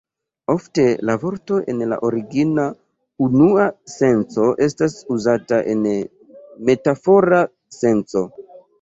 Ofte la vorto en la origina, unua senco estas uzata en metafora senco.